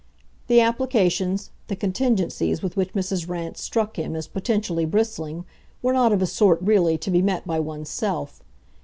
The applications, the contingencies with which Mrs. Rance struck him as potentially bristling, were not of a sort, really, to be met by one's self.